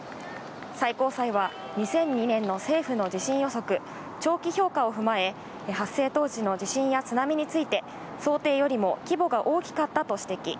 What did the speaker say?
最高裁は、２００２年の政府の地震予測、長期評価を踏まえ、発生当時の地震や津波について、想定よりも規模が大きかったと指摘。